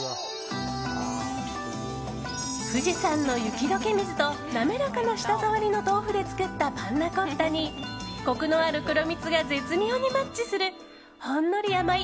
富士山の雪解け水と滑らかな舌触りの豆腐で作ったパンナコッタにコクのある黒蜜が絶妙にマッチするほんのり甘い